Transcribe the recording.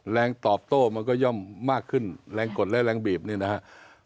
แรงตอบโต้มันก็ย่อมมากขึ้นแรงกดและแรงบีบนี่นะครับ